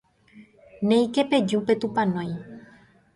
néike peju petupãnói.